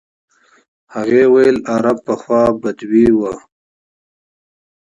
هغې ویل عرب پخوا بدوي وو.